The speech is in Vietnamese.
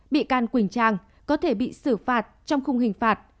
bị can quỳnh trang có thể bị xử phạt trong khung hình phạt